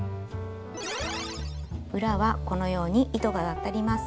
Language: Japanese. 裏はこのように糸が渡ります。